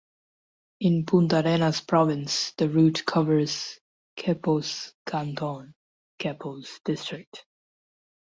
In Puntarenas province the route covers Quepos canton (Quepos district).